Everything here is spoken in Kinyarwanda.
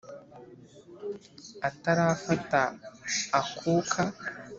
Atarafata akuka